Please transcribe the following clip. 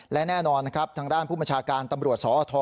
และแน่นอนนะครับทางด้านผู้บัญชาการตำรวจสอท